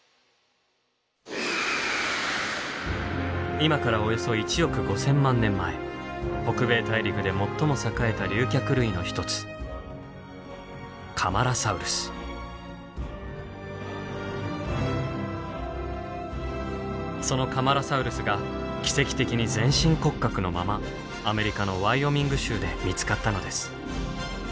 今からおよそ１億５，０００万年前北米大陸で最も栄えた竜脚類の一つそのカマラサウルスが奇跡的に全身骨格のままアメリカのワイオミング州で見つかったのです。